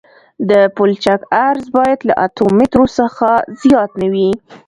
د پلچک عرض باید له اتو مترو څخه زیات نه وي